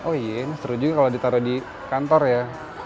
oh iya ini seru juga kalau ditaruh di kantor ya